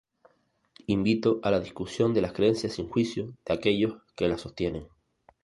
Invito a la discusión de las creencias sin juicio de aquellos que las sostienen.